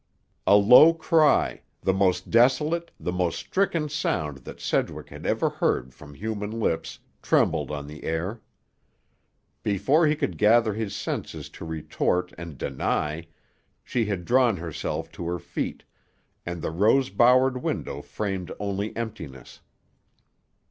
A low cry, the most desolate, the most stricken sound that Sedgwick had ever heard from human lips, trembled on the air. Before he could gather his senses to retort and deny, she had drawn herself to her feet—and the rose bowered window framed only emptiness.